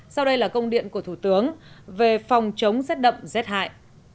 sau đây là công điện của thủ tướng về phòng chống rét đậm rét hại